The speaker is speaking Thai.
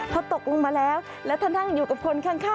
พอตกลงมาแล้วแล้วท่านนั่งอยู่กับคนข้าง